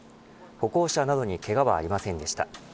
歩行者などにけがはありませんでした。